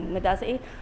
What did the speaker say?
người ta sẽ